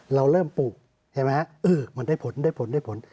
เราเริ่มปลูกมันได้ผล